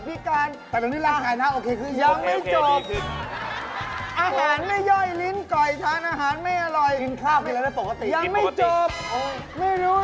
นี่มันตาพี่แดกหน้าฝรั่งผมเหมือนเกินหน่อยมันปล่อยเลย